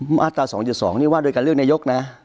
มาตรา๒๗๒นี่ว่าโดยการเลือกนายกนะ